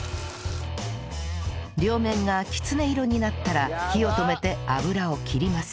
両面がきつね色になったら火を止めて油を切ります